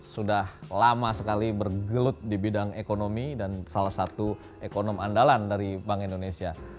sudah lama sekali bergelut di bidang ekonomi dan salah satu ekonomi andalan dari bank indonesia